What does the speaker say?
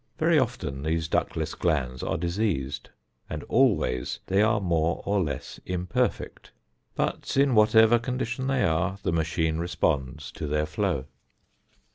Very often these ductless glands are diseased, and always they are more or less imperfect; but in whatever condition they are, the machine responds to their flow.